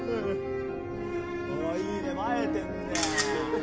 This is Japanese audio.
おおいいね映えてんね。